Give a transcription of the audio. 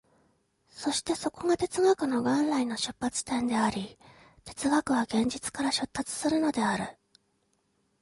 そしてそこが哲学の元来の出発点であり、哲学は現実から出立するのである。